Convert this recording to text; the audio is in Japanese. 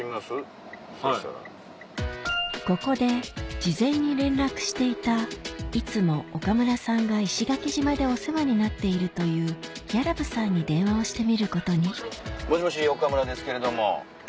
ここで事前に連絡していたいつも岡村さんが石垣島でお世話になっているという屋良部さんに電話をしてみることにもしもし岡村ですけれども。